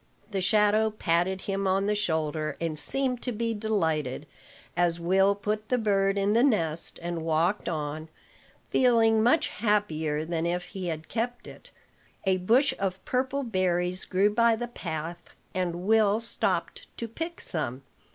The shadow patted him on the shoulder, and seemed to be delighted as Will put the bird in the nest and walked on, feeling much happier than if he had kept it. A bush of purple berries grew by the path, and Will stopped to pick some.